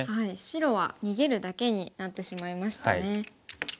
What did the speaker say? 白は逃げるだけになってしまいましたね。